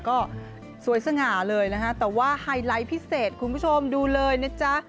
ก็สวยสง่าเลยนะฮะแต่ว่าไฮไลท์พิเศษคุณผู้ชมดูเลยนะจ๊ะ